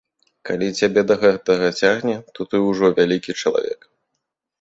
Калі цябе да гэтага цягне, то ты ўжо вялікі чалавек.